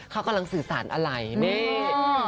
เขากำลังสื่อสารอะไรนี่